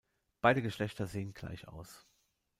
Beide Geschlechter sehen gleich aus.